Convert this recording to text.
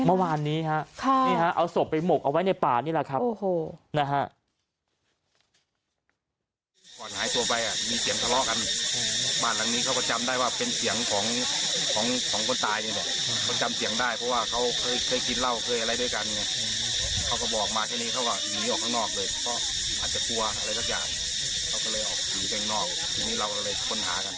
เมื่อวานนี้เอาส่วนไปหมกเอาไว้ในป่านี่แหละครับ